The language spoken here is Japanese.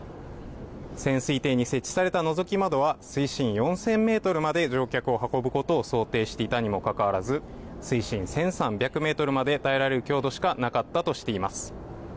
潜水艇に設置されたのぞき窓は水深４０００ｍまで乗客を運ぶことを想定していたにもかかわらず、水深１３００ｍまで耐えられる強度しかなかったとしています。